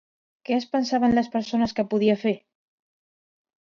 Què es pensaven les persones que podia fer?